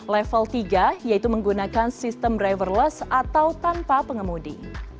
level tiga yaitu menggunakan sistem driverless atau tanpa pengemudi